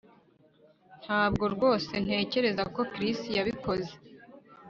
Ntabwo rwose ntekereza ko Chris yabikoze